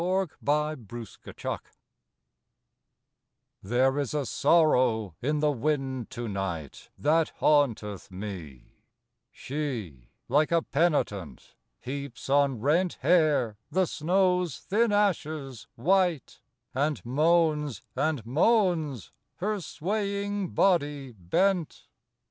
UNUTTERABLE There is a sorrow in the wind to night That haunteth me; she, like a penitent, Heaps on rent hair the snow's thin ashes white, And moans and moans, her swaying body bent.